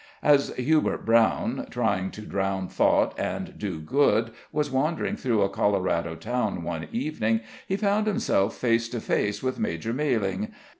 As Hubert Brown, trying to drown thought and do good, was wandering through a Colorado town one evening, he found himself face to face with Major Mailing.